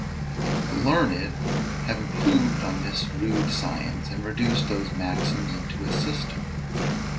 The learned have improved on this rude science, and reduced those maxims into a system.